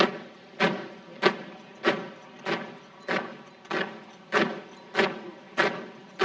kembali ke tempat